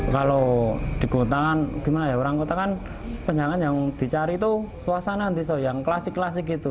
kalau di kota kan gimana ya orang kota kan penyangan yang dicari itu suasana antiso yang klasik klasik gitu